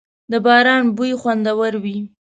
• د باران بوی خوندور وي.